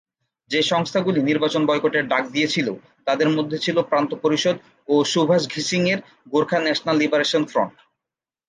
যে সংস্থাগুলি নির্বাচন বয়কটের ডাক দিয়েছিল তাদের মধ্যে ছিল প্রান্ত পরিষদ ও সুভাষ ঘিসিং-এর গোর্খা ন্যাশনাল লিবারেশন ফ্রন্ট।